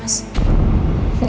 gakusah kayak gini